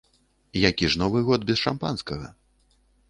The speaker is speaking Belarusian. Які ж новы год без шампанскага?